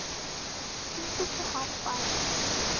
কিন্তু সে হাত পায়নি।